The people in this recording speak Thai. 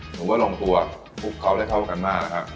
หนูว่าลงตัวคลุกเขาได้เข้ากันมากนะครับ